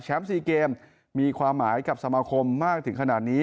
๔เกมมีความหมายกับสมาคมมากถึงขนาดนี้